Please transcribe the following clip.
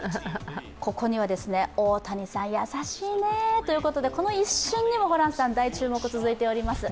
ここには大谷さん、優しいねということでこの一瞬にもホランさん、大注目続いております。